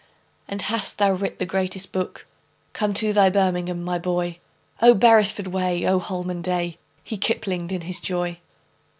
"And hast thou writ the greatest book? Come to thy birmingham, my boy! Oh, beresford way! Oh, holman day!" He kiplinged in his joy.